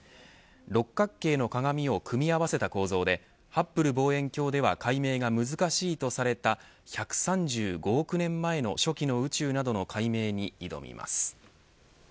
六角形の鏡を組み合わせた構造でハッブル望遠鏡では解明が難しいとされた１３５億年前の初期の宇宙などの解明に挑みます。